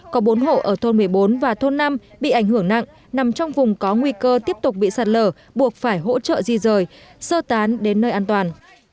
có bốn hộ ở thôn một mươi bốn và thôn năm bị ảnh hưởng nặng nằm trong vùng có nguy cơ tiếp tục bị sạt lở buộc phải hỗ trợ di rời sơ tán đến nơi an toàn